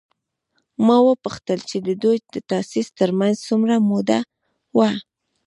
ما وپوښتل چې د دوی د تاسیس تر منځ څومره موده وه؟